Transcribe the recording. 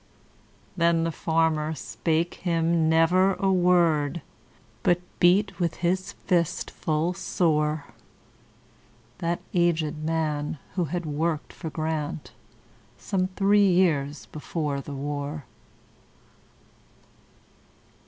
Then the farmer spake him never a word, But beat with his fist full soreThat aged man, who had worked for GrantSome three years before the war.